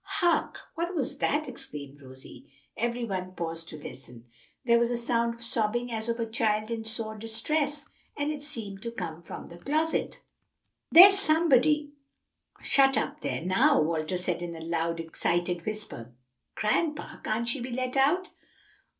"Hark! what was that?" exclaimed Rosie. Every one paused to listen. There was a sound of sobbing as of a child in sore distress, and it seemed to come from the closet. "There's somebody shut up there now," Walter said in a loud, excited whisper. "Grandpa, can't she be let out?"